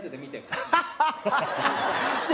ハハハハ！